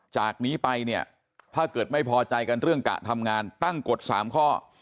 จากนี้ไปเนี่ยถ้าเกิดไม่พอใจกันเรื่องกะทำงานตั้งกฎ๓ข้อ